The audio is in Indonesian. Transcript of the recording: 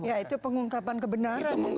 ya itu pengungkapan kebenaran